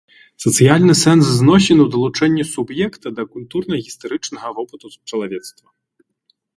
Сацыяльны сэнс зносін у далучэнні суб'екта да культурна-гістарычнага вопыту чалавецтва.